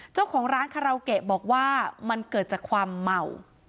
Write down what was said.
เจ้าของร้านคาราโอเกะบอกว่ามันเกิดจากความเมา